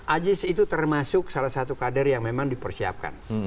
ajis itu termasuk salah satu kader yang memang dipersiapkan